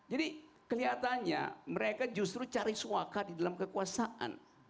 jadi kelihatannya mereka justru cari suaka di dalam kekuasaan